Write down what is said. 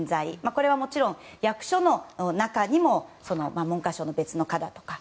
これはもちろん役所の中にもその文科省の別の課だとか